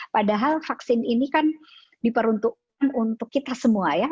padahal vaksin ini kan diperuntukkan untuk kita semua ya